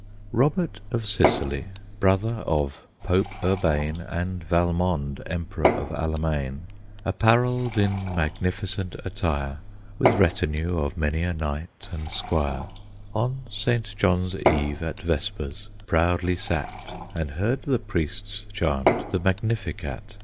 Robert of Sicily, brother of Pope Urbane And Valmond, Emperor of Allemaine, Apparelled in magnificent attire, With retinue of many a knight and squire, On St. John's eve, at vespers, proudly sat And heard the priests chant the Magnificat.